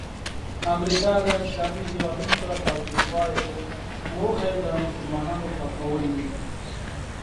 امریکا له اسلامي هیوادونو سره تاوتریخوالی کوي، موخه یې د مسلمانانو ختمول دي.